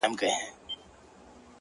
قربان د ډار له کيفيته چي رسوا يې کړم،